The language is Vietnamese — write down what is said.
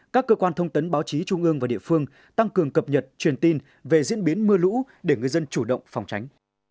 các cơ quan thông tấn báo chí trung ương và địa phương tăng cường cập nhật truyền tin về diễn biến mưa lũ để người dân chủ động phòng tránh